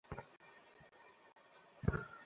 কিন্তু আমি জানতাম সে আমার নাগালের বাইরে ছিল।